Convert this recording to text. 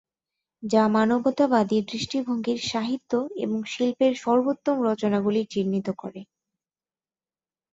যা মানবতাবাদী দৃষ্টিভঙ্গির সাহিত্য এবং শিল্পের সর্বোত্তম রচনাগুলি চিহ্নিত করে।